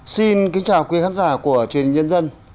xin kính chào quý khán giả của truyền hình nhân dân